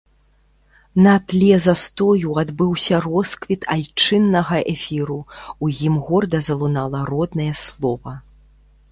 На тле застою адбыўся росквіт айчыннага эфіру, у ім горда залунала роднае слова.